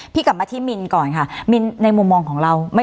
กลับมาที่มินก่อนค่ะมินในมุมมองของเรา